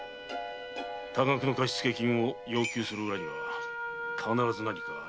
多額の貸付金を要求する裏には必ず何かある。